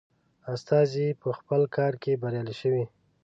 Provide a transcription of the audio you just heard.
استازی په خپل کار کې بریالی شوی.